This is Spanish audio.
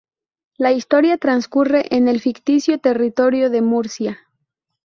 La historia transcurre en el ficticio territorio de Murcia.